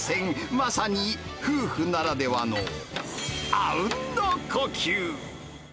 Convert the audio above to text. まさに夫婦ならではの、あうんの呼吸。